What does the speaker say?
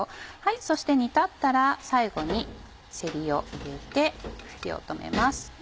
そして煮立ったら最後にせりを入れて火を止めます。